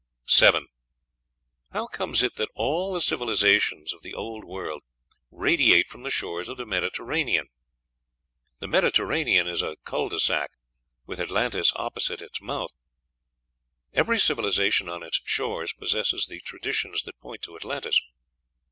7. How comes it that all the civilizations of the Old World radiate from the shores of the Mediterranean? The Mediterranean is a cul de sac, with Atlantis opposite its mouth. Every civilization on its shores possesses traditions that point to Atlantis.